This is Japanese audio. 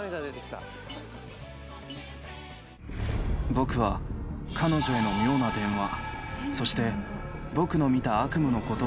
「僕は彼女への妙な電話そして僕の見た悪夢のことを占い師に話した」